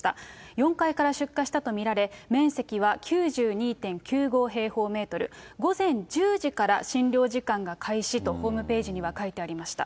４階から出火したと見られ、面積は９２．９５平方メートル、午前１０時から診療時間が開始と、ホームページには書いてありまし